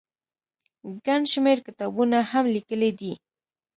ګڼ شمېر کتابونه هم ليکلي دي